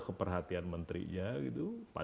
keperhatian menterinya gitu